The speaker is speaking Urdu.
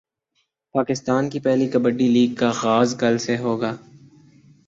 پاکستان کی پہلی کبڈی لیگ کا غاز کل سے ہوگا